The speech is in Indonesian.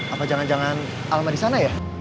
apa jangan jangan alma disana ya